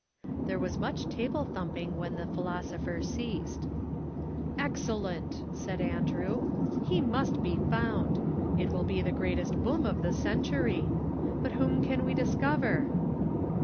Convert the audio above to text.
There was much table thumping when the philosopher ceased. "Excellent!" said Andrew. "He must be found. It will be the greatest boom of the century. But whom can we discover?"